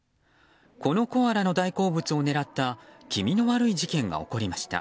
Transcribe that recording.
このコアラの大好物を狙った気味の悪い事件が起こりました。